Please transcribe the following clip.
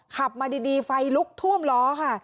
ขับมาดีไฟลุกท่วมล้อค่ะ